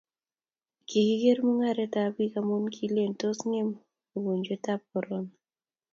kikeker mungaret ab bik amun kilen tos ngem ukonjwet ab korona